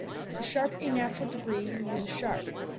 To sharp a natural degree, use a sharp.